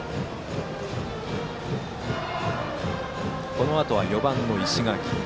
このあとは４番、石垣。